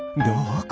どう？